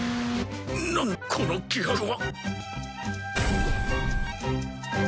なんだこの気迫は！